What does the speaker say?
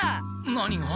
何が？